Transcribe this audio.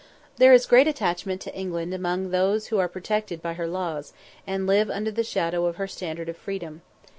There is great attachment to England among those who are protected by her laws, and live under the shadow of her standard of freedom.